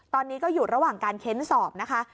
ตอนนี้ก็อยู่ระหว่างการเค้นสอบนะคะ